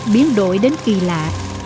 biến đổi đến kỳ lạ